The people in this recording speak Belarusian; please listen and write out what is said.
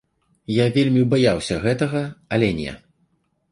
Я вельмі баяўся гэтага, але не.